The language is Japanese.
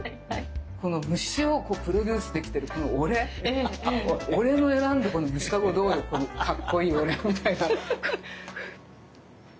この虫をプロデュースできてるこの俺俺の選んだこの虫かごどうよかっこいい俺みたいな。